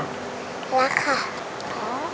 รักค่ะ